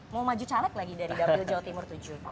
mau maju caleg lagi dari dapil jawa timur tujuh